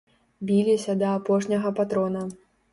Біліся да апошняга патрона.